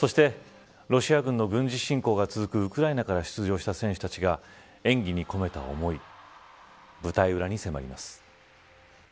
そして、ロシア軍の軍事侵攻が続くウクライナから出場した選手たちが演技に込めた思い。